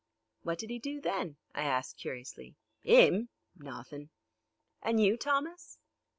"What did he do then?" I asked curiously. "'Im? Nawthin'." "And you, Thomas?"